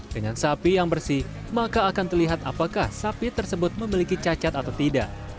dengan sapi yang bersih maka akan terlihat apakah sapi tersebut memiliki cacat atau tidak